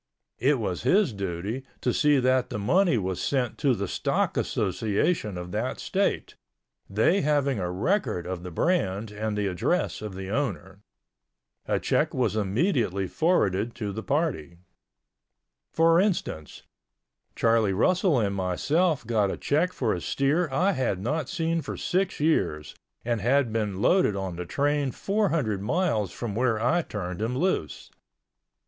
It was his duty to see that the money was sent to the stock association of that state, they having a record of the brand and the address of the owner. A check was immediately forwarded to the party. For instance, Charlie Russell and myself got a check for a steer I had not seen for six years and had been loaded on the train four hundred miles from where I turned him loose.